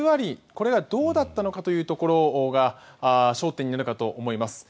これがどうだったのかというところが焦点になるかと思います。